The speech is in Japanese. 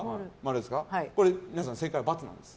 これ皆さん、正解は×なんです。